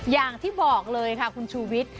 อย่างที่บอกเลยค่ะคุณชูวิทย์